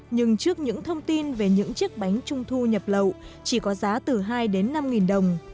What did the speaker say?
nhưng trước những thông tin về những chiếc bánh trung thu nhập lậu chỉ có giá từ hai đến năm đồng